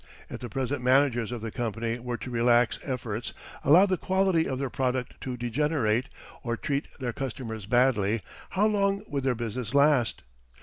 If the present managers of the company were to relax efforts, allow the quality of their product to degenerate, or treat their customers badly, how long would their business last?